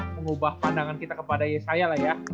mengubah pandangan kita kepada saya lah ya